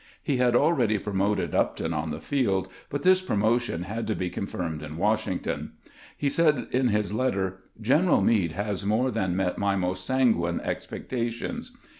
He had already promoted Upton on the field, but this promotion had to be confirmed at Washington. He said in his letter :" General Meade has more than met my most sanguine expectations.